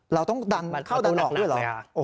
เราต้องดันเข้าดันออกด้วยเหรอ